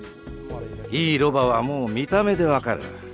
いいロバはもう見た目で分かる。